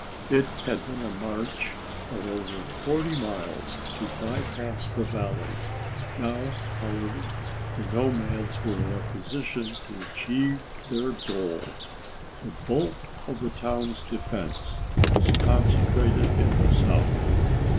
It had been a march of over 40 miles to by pass the valley. Now, however, the nomads were in a position to achieve their goal. The bulk of the town's defense was concentrated in the south.